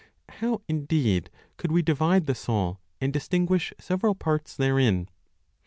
How indeed could we divide the soul and distinguish several parts therein?